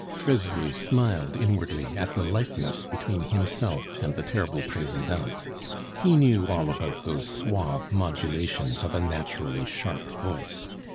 Fraisier smiled inwardly at the likeness between himself and the terrible Presidente; he knew all about those suave modulations of a naturally sharp voice.